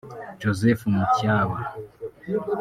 Joseph Mutyaba